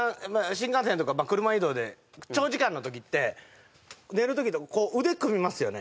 新幹線とか車移動で長時間の時って寝る時とかこう腕組みますよね